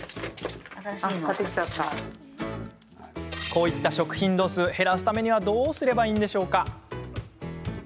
こういった食品ロス減らすためにはどうすればいいんでしょうか？